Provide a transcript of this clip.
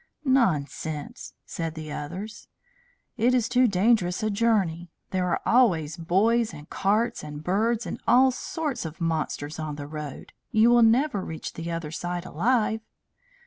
"Nonsense!" said the others. "It is too dangerous a journey. There are always boys and carts and birds, and all sorts of monsters on the road. You will never reach the other side alive."